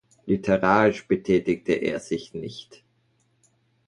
Literarisch betätigte er sich nicht.